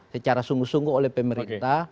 secara sungguh sungguh oleh pemerintah